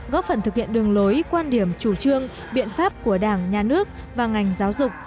góp phần thực hiện đường lối quan điểm chủ trương biện pháp của đảng nhà nước và ngành giáo dục